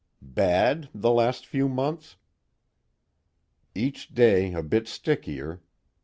"Bad, the last few months?" "Each day a bit stickier.